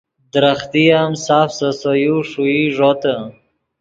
درختے ام ساف سے سے یو ݰوئی ݱوتے